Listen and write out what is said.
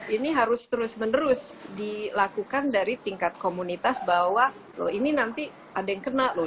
ini harus terus menerus dilakukan dari tingkat komunitas bahwa loh ini nanti ada yang kena loh